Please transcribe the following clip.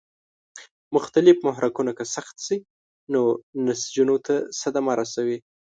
مختلف محرکونه که سخت شي نو نسجونو ته صدمه رسوي.